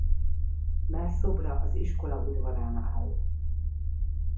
Mellszobra az iskola udvarán áll.